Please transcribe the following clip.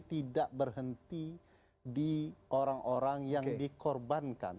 tidak berhenti di orang orang yang dikorbankan